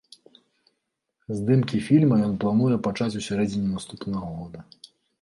Здымкі фільма ён плануе пачаць у сярэдзіне наступнага года.